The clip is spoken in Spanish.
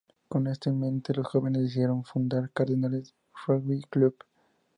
Con esto en mente, los jóvenes decidieron fundar Cardenales Rugby Club.